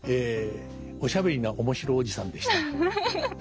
「おしゃべりな面白おじさん」でした。